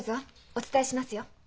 お伝えしますよ。